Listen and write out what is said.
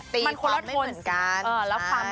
มันควรละทนมีความไม่เหมือนกัน